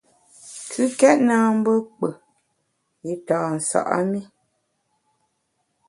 Kùkèt na mbe kpù i tâ nsa’ mi.